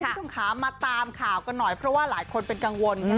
คุณผู้ชมค่ะมาตามข่าวกันหน่อยเพราะว่าหลายคนเป็นกังวล